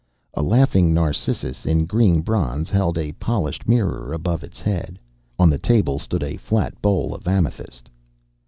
A laughing Narcissus in green bronze held a polished mirror above its head. On the table stood a flat bowl of amethyst.